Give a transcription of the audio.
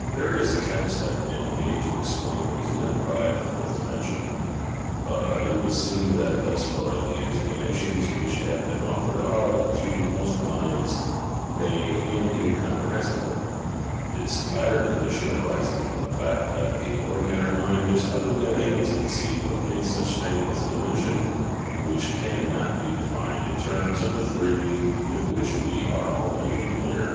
Various attempts have been made to explain what is meant by "the fourth dimension," but it would seem that thus far the explanations which have been offered are, to most minds, vague and incomprehensible, this latter condi tion arising from the fact that the ordinary mind is utterly unable to conceive of any such thing as a dimension which cannot be defined in terms of the three with which we are already familiar.